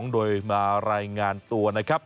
โดยมารายงานตัวนะครับ